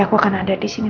kamu kalau mau menangis